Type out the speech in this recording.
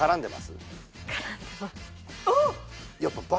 あっ！